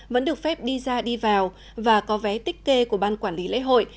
vẫn được phép đi ra đi vào và có vé tích kê của ban quản lý lễ hội